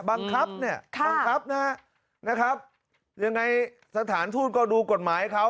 บังคับเนี่ยบังคับนะครับยังไงสถานทูตก็ดูกฎหมายเขา